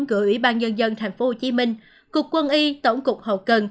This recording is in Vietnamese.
gửi ủy ban nhân dân tp hcm cục quân y tổng cục hậu cần